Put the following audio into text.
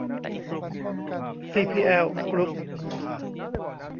ซีพีแอล กรุ๊ป